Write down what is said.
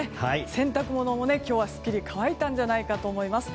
洗濯物も今日はすっきり乾いたんじゃないかと思います。